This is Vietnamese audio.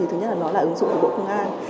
thứ nhất là nó là ứng dụng của bộ công an